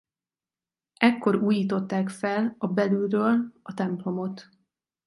Ekkor újították fel a belülről a templomot.